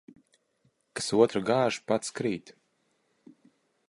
Kas otru gāž, pats krīt.